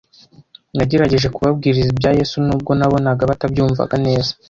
Nagerageje kubabwiriza ibya Yesu nubwo nabonaga batabyumvaga neza.